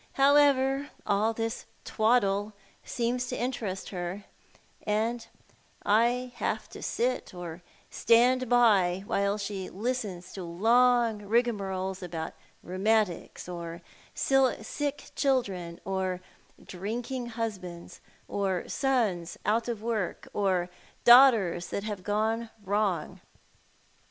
However, all this twaddle seems to interest her, and I have to sit or stand by while she listens to long rigmaroles about rheumatics, or sick children, or drink ing husbands, or sons put of work, or daughters that have gone wrong.